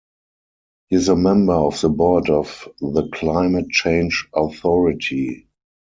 He is member of the board of the Climate Change Authority.